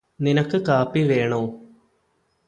നിനക്ക് കാപ്പി വേണോ?